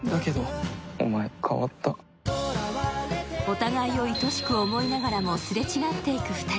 お互いをいとしく思いながらもすれ違っていく２人。